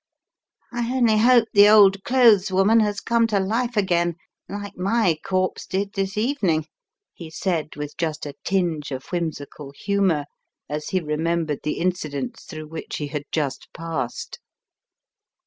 "I only hope the old clothes woman has come to life again, like my corpse did this evening," he said with just a tinge of whimsical humour as he remembered the incidents through which he had just passed.